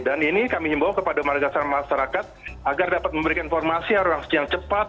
dan ini kami membawa kepada masyarakat agar dapat memberikan informasi yang cepat